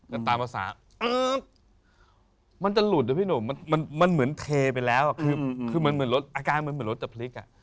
แต่ตามภาษามันจะหลุดเหมือนเทไปแล้วอาการเหมือนรถจะพลิก